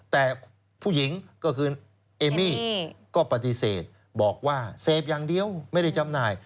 แต่ผู้หญิงก็คือเอมมี่ก็ปฏิเสธบอกว่าเสพอย่างเดียวไม่ได้จำหน่าย